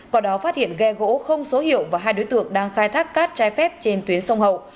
quả đó phát hiện ghe gỗ không số hiệu và hai đối tượng đang khai thác cát trái phép trên tuyến sông hậu